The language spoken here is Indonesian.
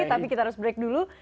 tapi kita harus break dulu